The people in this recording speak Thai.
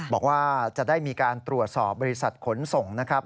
บอกว่าจะได้มีการตรวจสอบบริษัทขนส่งนะครับ